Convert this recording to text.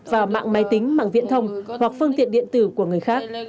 vào mạng máy tính mạng viễn thông hoặc phương tiện điện tử của người khác